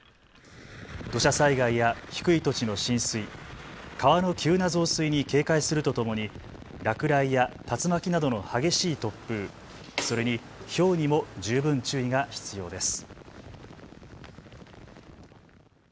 土砂災害や低い土地の浸水、川の急な増水に警戒するとともに落雷や竜巻などの激しい突風、それにひょうにも十分注意が必要です。